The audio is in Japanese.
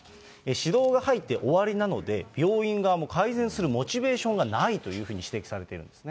指導が入って終わりなので、病院側も改善するモチベーションがないというふうに指摘されてるんですね。